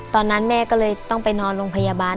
ตอนนั้นแม่ก็เลยต้องไปนอนโรงพยาบาล